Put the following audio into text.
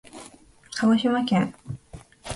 鹿児島県中種子町